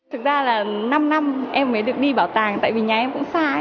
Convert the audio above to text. thực ra là năm năm em mới được đi bảo tàng tại vì nhà em cũng sai